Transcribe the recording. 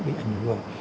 bị ảnh hưởng